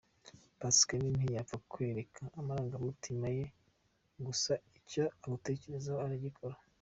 Pascaline ntiyapfa kukwereka amarangamtima ye gusa icyo agutekerezaho aragikora.